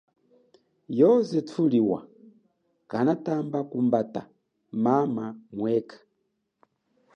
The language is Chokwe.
Yoze thuliwa kanatambe kumbata mama mwekha.